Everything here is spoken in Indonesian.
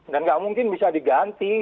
dan tidak mungkin bisa diganti